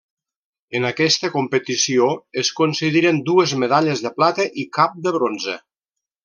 En aquesta competició es concediren dues medalles de plata i cap de bronze.